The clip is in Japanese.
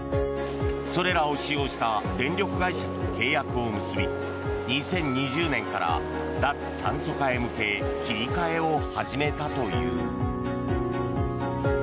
それらを使用した電力会社と契約を結び２０２０年から脱炭素化へ向け切り替えを始めたという。